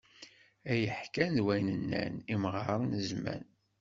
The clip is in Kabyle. Ay ḥkan d way nnan, imɣaṛen n zzman!